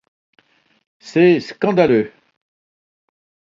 C'est scandaleux!